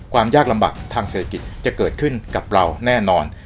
ความยากลำบากทางเศรษฐกิจจะเกิดขึ้นกับเราแน่นอน